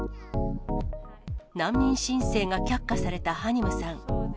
難民申請が却下されたハニムさん。